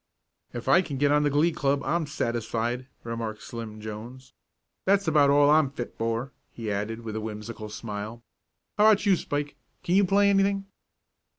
"If I can get on the glee club, I'm satisfied," remarked Slim Jones. "That's about all I'm fit for," he added, with a whimsical smile. "How about you, Spike? Can you play anything?"